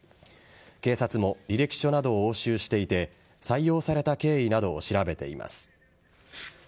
警察も履歴書などを押収していて採用された経緯などを調べています。